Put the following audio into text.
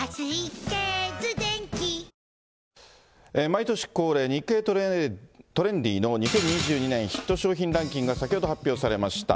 毎年恒例、日経トレンディの２０２２年ヒット商品ランキングが先ほど、発表されました。